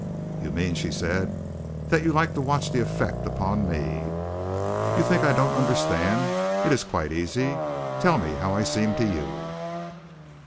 "You mean," she said, "that you like to watch the effect upon me. You think I don't understand. It is quite easy. Tell me how I seem to you?"